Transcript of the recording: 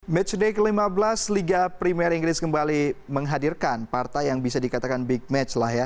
match day ke lima belas liga primer inggris kembali menghadirkan partai yang bisa dikatakan big match lah ya